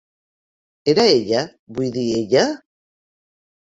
Era ella?, vull dir, ella?